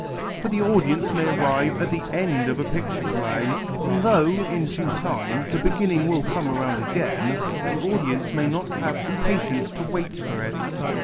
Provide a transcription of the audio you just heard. For the audience may arrive at the end of a picture play, and though, in due time, the beginning will come round again, the audience may not have the patience to wait for it.